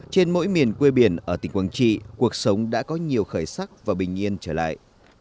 trên mỗi miền quê biển ở tỉnh quảng trị cuộc sống đã có nhiều khởi sắc và bình yên trở lại